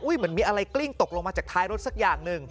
เหมือนมีอะไรกลิ้งตกลงมาจากท้ายรถสักอย่างหนึ่ง